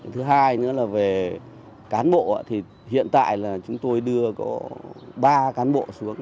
thứ hai nữa là về cán bộ thì hiện tại là chúng tôi đưa có ba cán bộ xuống